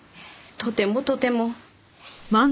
とてもとても。